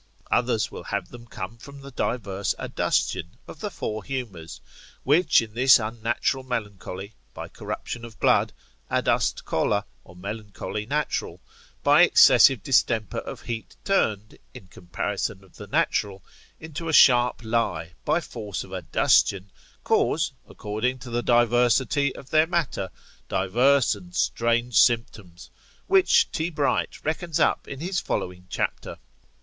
Others will have them come from the diverse adustion of the four humours, which in this unnatural melancholy, by corruption of blood, adust choler, or melancholy natural, by excessive distemper of heat turned, in comparison of the natural, into a sharp lye by force of adustion, cause, according to the diversity of their matter, diverse and strange symptoms, which T. Bright reckons up in his following chapter.